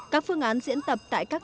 các phương án diễn tập tại các